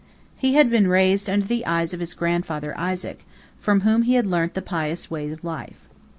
He had been raised under the eyes of his grandfather Isaac, from whom he had learnt the pious way of life.